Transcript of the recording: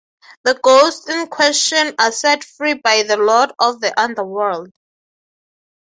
The ghosts in question are set free by the lord of the underworld.